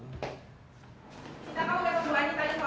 kita mau ke kedua anjir tadi soal gender kita